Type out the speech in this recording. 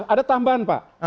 ada tambahan pak